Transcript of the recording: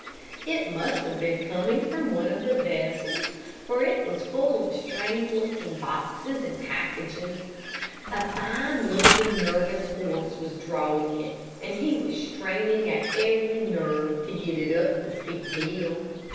It must have been coming from one of the vessels, for it was full of strange looking boxes and packages. A fine looking nervous horse was drawing it, and he was straining every nerve to get it up the steep hill.